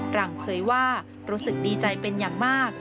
หลังเผยว่ารู้สึกดีใจเป็นอย่างมาก